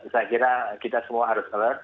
saya kira kita semua harus alert